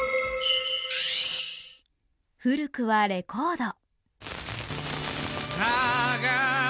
古くはレコード。